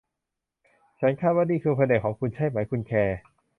ฉันคาดว่านี่คืออีกแผนกของคุณใช่ไหมคุณแคลร์